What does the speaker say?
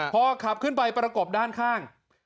พอขับขึ้นไปประกบด้านข้าง